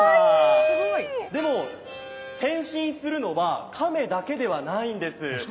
でも、変身するのは亀だけではないんです。